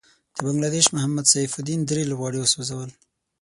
د بنګله دېش محمد سيف الدين دری لوبغاړی وسوځل.